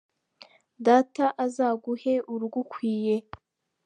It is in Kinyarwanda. Data azaguhe urugukwiye